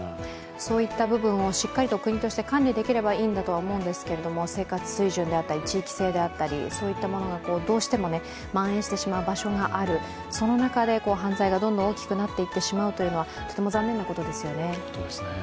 そういった部分をしっかりと国として管理できればいいんだとは思うんですけれども生活水準であったり地域性であったりそういったものがどうしてもまん延してしまう場所がある、その中で犯罪がどんどん大きくなってしまうというのはとても残念なことですよね。